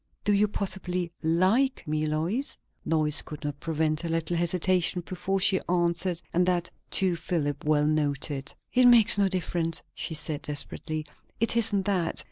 Do you, possibly like me, Lois?" Lois could not prevent a little hesitation before she answered, and that, too, Philip well noted. "It makes no difference," she said desperately. "It isn't that.